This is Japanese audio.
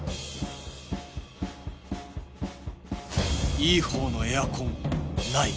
いいほうのエアコンない